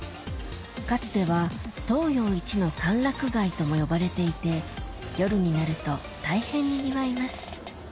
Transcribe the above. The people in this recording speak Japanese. かつては東洋いちの歓楽街とも呼ばれていて夜になると大変にぎわいます